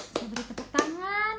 saya beri tepuk tangan